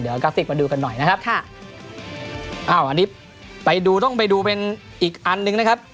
เดี๋ยวกราฟิกมาดูกันหน่อยนะครับค่ะอ้าวอันนี้ไปดูต้องไปดูเป็นอีกอันหนึ่งนะครับ